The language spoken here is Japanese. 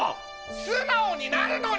素直になるのに。